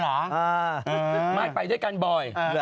ไม่ไปด้วยกันบ่อย